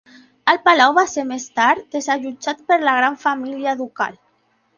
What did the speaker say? El palau va ser més tard desallotjat per la Gran família Ducal.